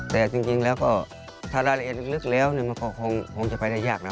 แต่จริงแล้วก็ถ้ารายละเอียดลึกแล้วมันก็คงจะไปได้ยากนะ